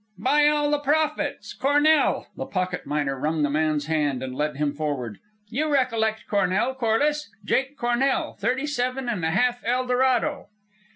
"By all the Prophets! Cornell!" The pocket miner wrung the man's hand and led him forward. "You recollect Cornell, Corliss? Jake Cornell, Thirty Seven and a Half Eldorado."